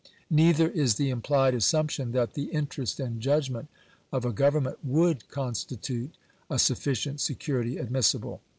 Neither is the implied assumption that the " interest and judgment " of a government would constitute a sufficient security admissible.